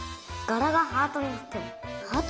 がらがハートになってる。